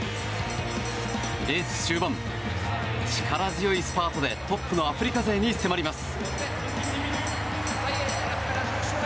レース終盤、力強いスパートでトップのアフリカ勢に迫ります。